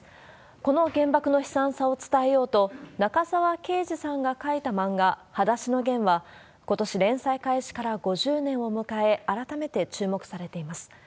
この原爆の悲惨さを伝えようと、中沢啓治さんが描いたまんが、はだしのゲンは、ことし連載開始から５０年を迎え、改めて注目されています。